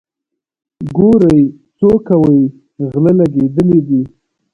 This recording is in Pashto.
ګورئ څو کوئ غله لګېدلي دي.